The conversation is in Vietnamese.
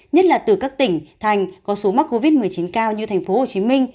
nhất là từ các tỉnh thành có số mắc covid một mươi chín cao như thành phố hồ chí minh